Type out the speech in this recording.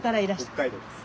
北海道です。